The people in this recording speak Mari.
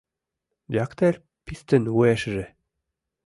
Яктер пистын вуешыже